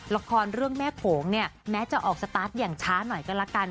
ละครเรื่องแม่โขงเนี่ยแม้จะออกสตาร์ทอย่างช้าหน่อยก็ละกัน